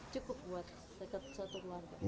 cukup buat satu keluarga